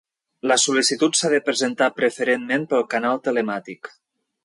La sol·licitud s'ha de presentar preferentment pel canal telemàtic.